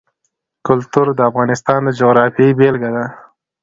کلتور د افغانستان د جغرافیې بېلګه ده.